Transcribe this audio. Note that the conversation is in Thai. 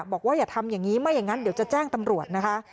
บอกว่าอย่าทำอย่างนี้ไม่อย่างนั้นเดี๋ยวจะแจ้งตำรวจนะคะ